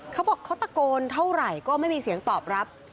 เขาบอกเขาตะโกนเท่าไหร่ก็ไม่มีเสียงตอบรับ